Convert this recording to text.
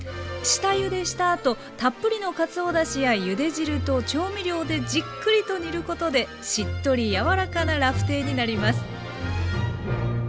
下ゆでしたあとたっぷりのかつおだしやゆで汁と調味料でじっくりと煮ることでしっとり柔らかなラフテーになります。